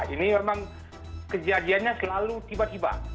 ini memang kejadiannya selalu tiba tiba